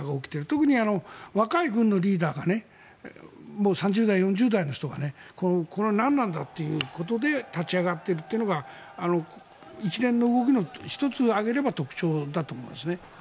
特に若い軍のリーダーが３０代、４０代の人がこれは何なんだということで立ち上がっているというのが一連の動きの１つ挙げる特徴なんですね。